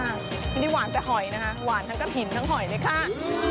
อันนี้หวานแต่หอยนะคะหวานทั้งกะถิ่นทั้งหอยเลยค่ะ